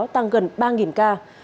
tăng gần ba ca